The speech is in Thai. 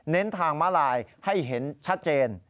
ทางม้าลายให้เห็นชัดเจน